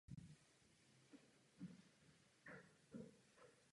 Dále se socialisté věnují otázce životního prostředí a udržitelného rozvoje.